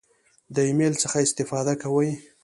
د ایمیل څخه استفاده کوئ؟